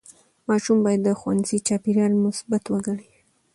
ماشوم باید د ښوونځي چاپېریال مثبت وګڼي.